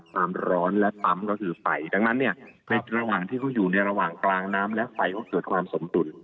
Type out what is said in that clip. ตามร้อนและปั๊มก็ถือให้ฝ่ายดังนั้นนี่ระหว่างที่เขาอยู่ในระหว่างกลางน้ำและฝ่ายซึ่งเป็นความสมดุล